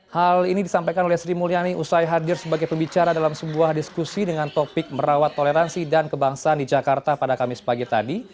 hal ini disampaikan oleh sri mulyani usai hadir sebagai pembicara dalam sebuah diskusi dengan topik merawat toleransi dan kebangsaan di jakarta pada kamis pagi tadi